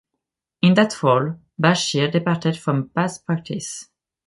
In that role, Bashir departed from past practice.